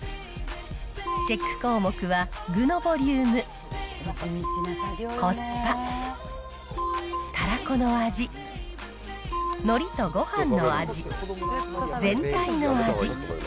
チェック項目は、具のボリューム、コスパ、たらこの味、のりとごはんの味、全体の味。